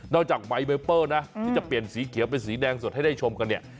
นอกจากไมค์เบิ้ลเปิ้ลนะอืมที่จะเปลี่ยนสีเขียวเป็นสีแดงสดให้ได้ชมกันเนี้ย